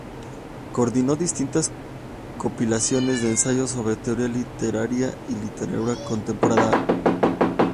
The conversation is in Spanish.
Coordinó distintas compilaciones de ensayos sobre la teoría literaria y literatura comparada.